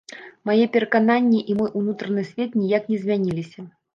Мае перакананні і мой унутраны свет ніяк не змяніліся.